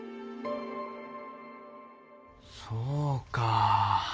そうか。